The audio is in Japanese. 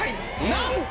なんと！